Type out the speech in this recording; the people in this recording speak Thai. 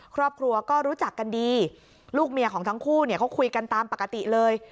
ครอบครัวก็รู้จักกันดีลูกเมียของทั้งคู่เนี่ยเขาคุยกันตามปกติเลย